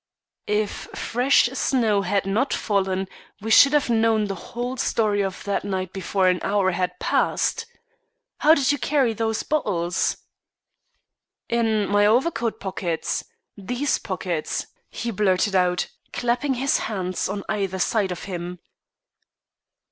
"If fresh snow had not fallen, we should have known the whole story of that night before an hour had passed. How did you carry those bottles?" "In my overcoat pockets. These pockets," he blurted out, clapping his hands on either side of him.